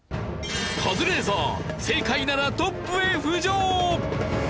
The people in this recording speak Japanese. カズレーザー正解ならトップへ浮上！